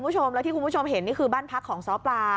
ใช่ค่ะที่คุณผู้ชมเห็นนี่คือบ้านพักของซ้อปลา